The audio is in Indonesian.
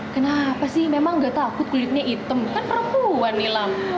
kenapa sih memang gak takut kulitnya hitam kan perempuan nilam